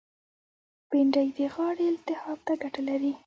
بېنډۍ د غاړې التهاب ته ګټه لري